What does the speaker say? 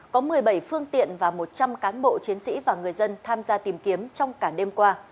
có một mươi bảy phương tiện và một trăm linh cán bộ chiến sĩ và người dân tham gia tìm kiếm trong cả đêm qua